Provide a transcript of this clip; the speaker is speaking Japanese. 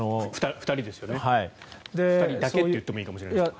２人だけといってもいいかもしれませんが。